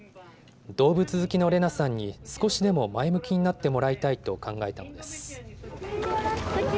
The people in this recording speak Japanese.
動物好きのレナさんに少しでも前向きになってもらいたいと考えたのです。